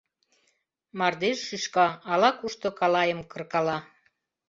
Мардеж шӱшка, ала-кушто калайым кыркала.